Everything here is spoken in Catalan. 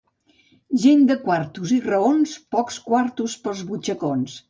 Gent de quartos i raons, pocs quartos pels butxacons.